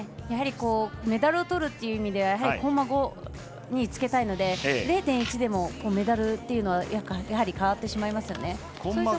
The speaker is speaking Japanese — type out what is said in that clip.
やはりメダルをとるっていう意味ではコンマ５につけたいので０．１でもメダルというのは変わってしまいますよね。